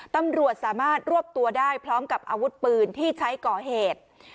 ตำรวจสามารถรวบตัวได้พร้อมกับอาวุธปืนที่ใช้ก่อเหตุ